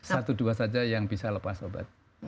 satu dua saja yang bisa lepas obat